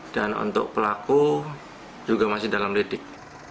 dan untuk pelaku juga masih dalam didik